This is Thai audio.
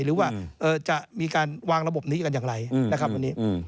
หรือว่าจะมีการวางระบบนี้กันอย่างไรนะครับวันนี้